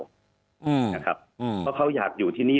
เพราะเขาอยากอยู่ที่นี่